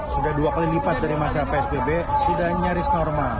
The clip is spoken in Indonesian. sudah dua kali lipat dari masa psbb sudah nyaris normal